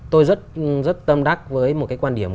tôi rất tâm đắc với một cái quan điểm